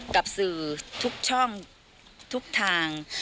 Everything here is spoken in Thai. กับสื่อทุกช่องทุกทาง